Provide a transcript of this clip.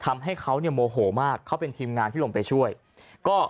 ทำให้เขาเนี่ยโมโหมากเขาเป็นทีมงานที่ลงไปช่วยก็